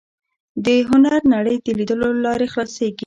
د هنر نړۍ د لیدلو له لارې خلاصېږي